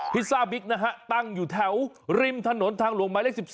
พิซซ่าบิ๊กนะฮะตั้งอยู่แถวริมถนนทางหลวงหมายเลข๑๒